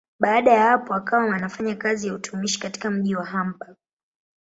Baada ya hapo akawa anafanya kazi ya utumishi katika mji wa Hamburg.